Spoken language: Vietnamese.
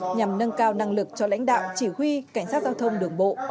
nhằm nâng cao năng lực cho lãnh đạo chỉ huy cảnh sát giao thông đường bộ